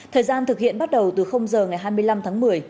thời gian thực hiện bắt đầu từ giờ ngày hai mươi năm tháng một mươi